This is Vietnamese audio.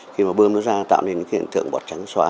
khi mà bơm nó ra tạo nên những cái hiện tượng bọt trắng xóa